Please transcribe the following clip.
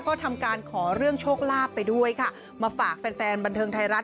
ก็ทำการขอเรื่องโชคลาภไปด้วยค่ะมาฝากแฟนแฟนบันเทิงไทยรัฐ